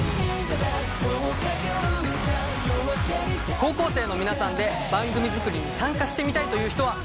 高校生の皆さんで番組作りに参加してみたいという人はいませんか？